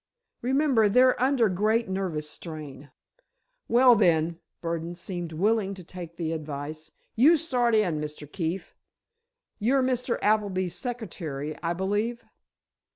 Remember, they're under great nervous strain." "Well, then," Burdon seemed willing to take the advice, "you start in, Mr. Keefe. You're Mr. Appleby's secretary, I believe?"